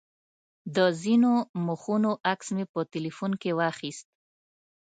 د ځینو مخونو عکس مې په تیلفون کې واخیست.